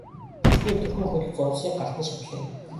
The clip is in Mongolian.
Бүсгүй түргэн хөдөлж зурвасыг гарт нь шидлээ.